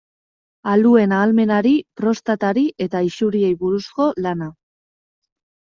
Aluen ahalmenari, prostatari eta isuriei buruzko lana.